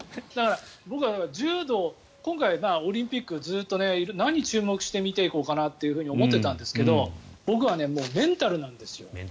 僕は柔道オリンピックずっと何に注目して見ていこうかなと思っていたんですけど僕はメンタルなんですよ。